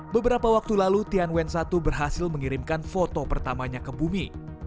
beberapa waktu lalu tianwen satu berhasil mengirimkan foto pertamanya ke bumi